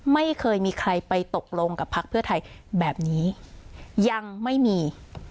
ไม่เคยมีใครไปตกลงกับพักเพื่อไทยแบบนี้ยังไม่มี